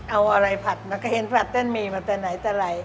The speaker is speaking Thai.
เอาอะไรผัดมาก็เห็นผัดเส้นหมี่มาแต่ไหนแต่ไร